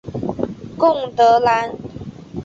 贡德兰。